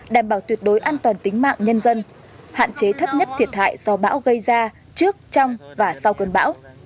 đảm bảo tuyệt đối an toàn tính mạng nhân dân hạn chế thấp nhất thiệt hại do bão gây ra trước trong và sau cơn bão